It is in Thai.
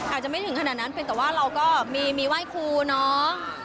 อาจจะไม่ถึงขนาดนั้นเพียงแต่ว่าเราก็มีไหว้ครูเนาะ